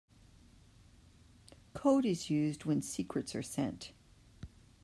Code is used when secrets are sent.